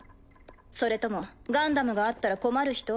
それともガンダムがあったら困る人？